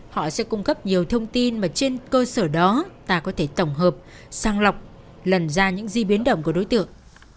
họ sẽ cung cấp nhiều thông tin mà trên cơ sở đó ta có thể tổng hợp sang lọc lần ra những di biến động của đối tượng